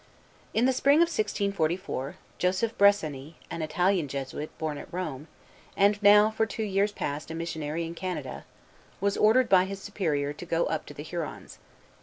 In the spring of 1644, Joseph Bressani, an Italian Jesuit, born in Rome, and now for two years past a missionary in Canada, was ordered by his Superior to go up to the Hurons.